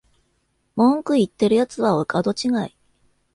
文句言ってるやつはお門違い